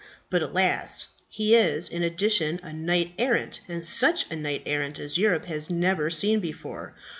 But alas! he is in addition a knight errant and such a knight errant as Europe has never seen before.